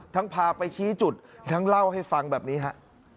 ทั้งพาไปชี้จุดทั้งเล่าให้ฟังอย่างนี้ฮะ